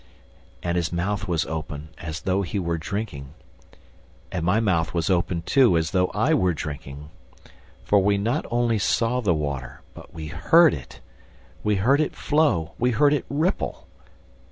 And his mouth was open, as though he were drinking. And my mouth was open too, as though I were drinking. For we not only saw the water, but WE HEARD IT! ... We heard it flow, we heard it ripple!